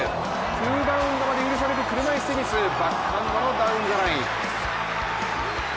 ２バウンドまで許される車いすテニス、バックハンドのダウンザライン。